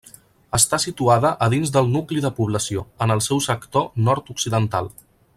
Està situada a dins del nucli de població, en el seu sector nord-occidental.